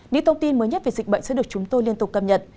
những thông tin mới nhất về dịch bệnh sẽ được chúng tôi liên tục cập nhật